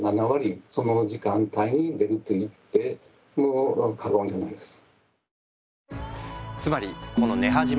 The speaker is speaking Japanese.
その時間帯に出ると言っても過言じゃないです。